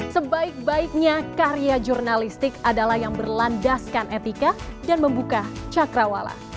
sebaik baiknya karya jurnalistik adalah yang berlandaskan etika dan membuka cakrawala